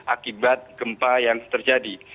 akibat gempa yang terjadi